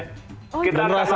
dan rasanya gak beda ya